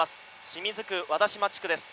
清水区和田島地区です。